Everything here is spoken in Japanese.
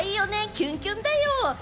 キュンキュンだよ。